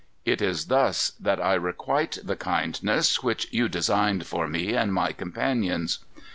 It is thus that I requite the kindness, which you designed for me and my companions."